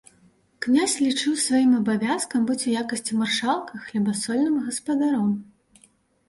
Князь лічыў сваім абавязкам быць у якасці маршалка хлебасольным гаспадаром.